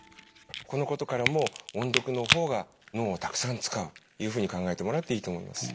このことからも音読のほうが脳をたくさん使うというふうに考えてもらっていいと思います。